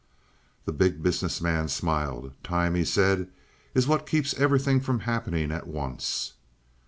The Big Business Man smiled. "Time," he said, "is what keeps everything from happening at once."